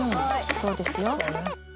そうですよ。